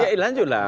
ya lanjut lah